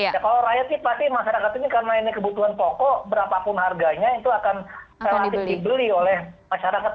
ya kalau rakyat sih pasti masyarakat ini karena ini kebutuhan pokok berapapun harganya itu akan relatif dibeli oleh masyarakat